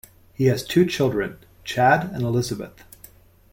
He has two children, Chad and Elizabeth.